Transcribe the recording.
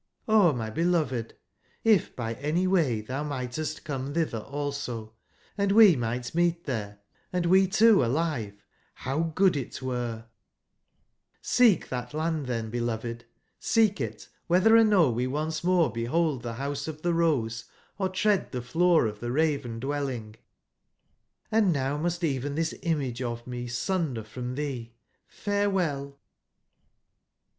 O my beloved, if by anyway thou )mightest come thither also, & we might meet there, & we two alive, how good it were t Seek that Ian d then , beloved 1 seek it, whether or no we once more behold the Rouse of the Rose, or tread the floor of the Ra ven dwelling. Hnd now must even this image of me sunder from thee, farewell!''